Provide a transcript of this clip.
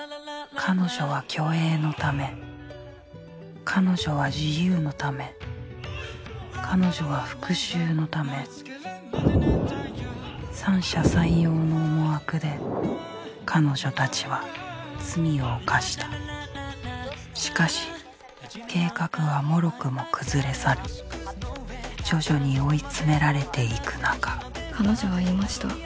彼女は虚栄のため彼女は自由のため彼女は復讐のため三者三様の思惑で彼女たちは罪を犯したしかし計画は脆くも崩れ去る徐々に追い詰められていく中彼女は言いました。